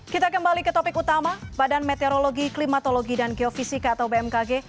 kita kembali ke topik utama badan meteorologi klimatologi dan geofisika atau bmkg